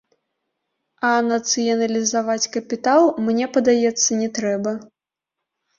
А нацыяналізаваць капітал, мне падаецца, не трэба.